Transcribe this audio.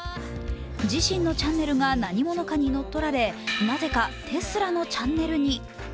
自身のチャンネルが何者かに乗っ取られなぜかテスラのチャンネルに。